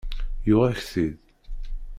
Yuɣ-ak-t-id.